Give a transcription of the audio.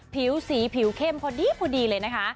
ผิวสีผิวเข้มพอดีเลยนะคะ